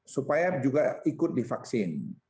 supaya juga ikut divaksin